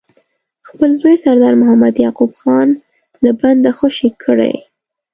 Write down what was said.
خپل زوی سردار محمد یعقوب خان له بنده خوشي کړي.